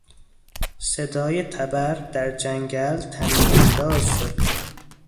صدای تبر در جنگل طنین انداز شد.